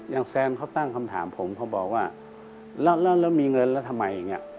ยังแซนเขาตั้งคำถามผมเขาบอกว่าแล้วมีเงินแล้วทำไมเนี่ย